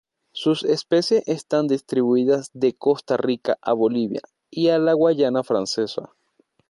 Sus especies están distribuidas de Costa Rica a Bolivia y a la Guayana Francesa.